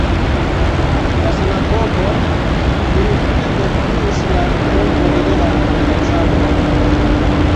La sinagogon finfine detruis la bomboj de la Aliancanoj.